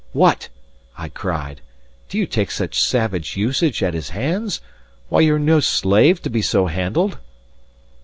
"What!" I cried, "do you take such savage usage at his hands? Why, you are no slave, to be so handled!"